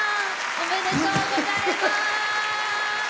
おめでとうございます！